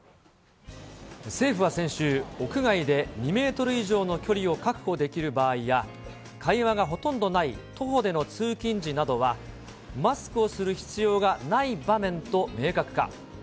政府は先週、屋外で２メートル以上の距離を確保できる場合や、会話がほとんどない徒歩での通勤時などは、マスクをする必要がない場面と明確化。